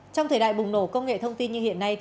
trong thời đại bùng nổ công nghệ thông tin như hiện nay